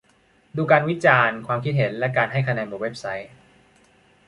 ดูการวิจารณ์ ความคิดเห็น และการให้คะแนนบนเว็บไซต์